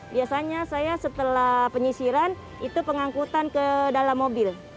biasanya saya setelah penyisiran itu pengangkutan ke dalam mobil